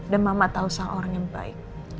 dan mama tahu sal orang yang baik